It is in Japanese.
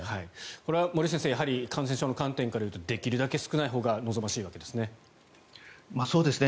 これは森内先生感染症の観点からいうとできるだけ少ないほうが望ましいわけですね？